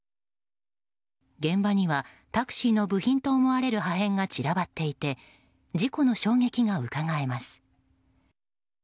現場にはタクシーの部品と思われる破片が散らばっていて事故の衝撃がうかがえます。